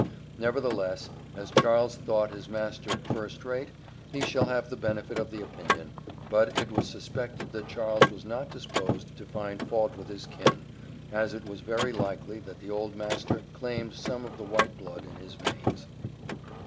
Nevertheless, as Charles thought his master "first rate," he shall have the benefit of the opinion, but it was suspected that Charles was not disposed to find fault with his kin, as it was very likely that the old master claimed some of the white blood in his veins.